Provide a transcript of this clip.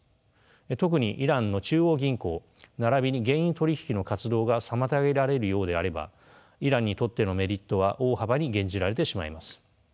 特にイランの中央銀行ならびに原油取り引きの活動が妨げられるようであればイランにとってのメリットは大幅に減じられてしまいます。